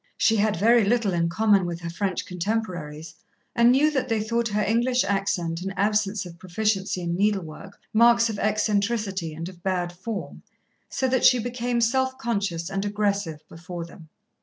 She had very little in common with her French contemporaries, and knew that they thought her English accent and absence of proficiency in needlework, marks of eccentricity and of bad form, so that she became self conscious and aggressive before them.